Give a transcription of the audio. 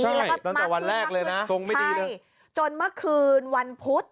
ใช่ตั้งแต่วันแรกเลยนะทรงไม่ดีเลยจนเมื่อคืนวันพุธ